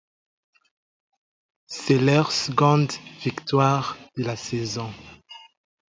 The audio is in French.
C'est leur seconde victoire de la saison.